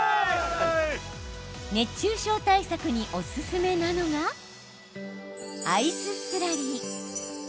熱中症対策におすすめなのがアイススラリー。